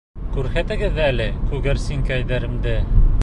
Күрһәтегеҙ әле күгәрсенкәйҙәремде.